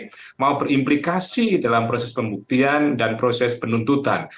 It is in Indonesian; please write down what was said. tidak berimplikasi dalam proses pembuktian dan proses penuntutan